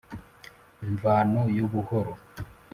Mvano y'ubuhoro